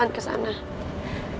enggak usah khawatir